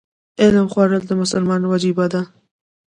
علم خورل د مسلمان وجیبه ده.